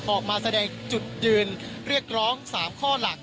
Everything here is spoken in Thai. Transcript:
ออกมาแสดงจุดยืนเรียกร้อง๓ข้อหลัก